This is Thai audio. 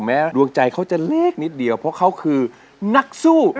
ดวงใจเขาจะเล็กนิดเดียวเพราะเขาคือนักสู้